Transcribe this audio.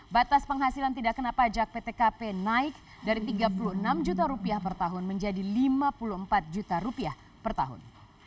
batas penghasilan tidak kena pajak ptkp naik dari rp tiga puluh enam juta rupiah per tahun menjadi lima puluh empat juta rupiah per tahun